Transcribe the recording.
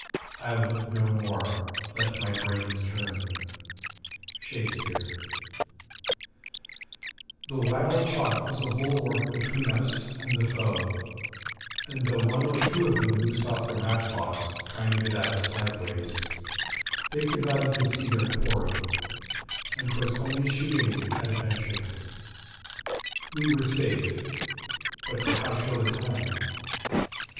... I'll look no more Lest my brain turn Shakespeare The while chalk was a bulwark between us and the foe; and though one or two of them loosed off their matchlocks, trying to get at us sideways, they could not even see their quarry, and 'twas only shooting at a venture. We were safe. But for how short a time!